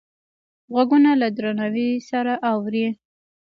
غوږونه له درناوي سره اوري